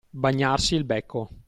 Bagnarsi il becco.